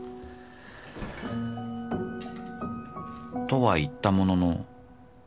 とは言ったものの